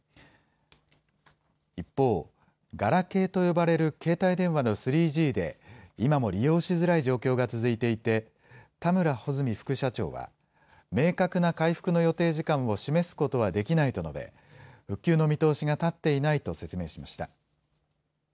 一方、ガラケーと呼ばれる携帯電話の３Ｇで、今も利用しづらい状況が続いていて、田村穂積副社長は、明確な回復の予定時間を示すことはできないと述べ、復旧の見通しが立っていないと説明しました。